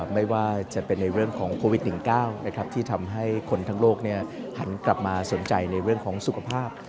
ไม่ว่าจะเป็นในเรื่องของโควิด๑๙ที่ทำให้คนทั้งโลกหันกลับมาสนใจในเรื่องของสุขภาพ